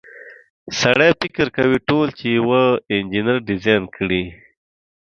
سړی فکر کوي ټول چې یوه انجنیر ډیزاین کړي.